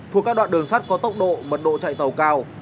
thuộc các đoạn đường sắt có tốc độ mật độ chạy tàu cao